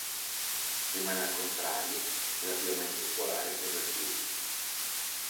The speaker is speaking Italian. Rimane, al contrario, relativamente popolare l"'ouverture".